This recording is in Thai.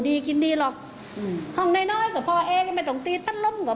ดีกินดีหรอกห้องน้อยกับพ่อเองไม่ต้องตีตั้นลมกับ